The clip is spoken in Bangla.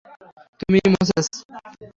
তুমিই, মোসেস।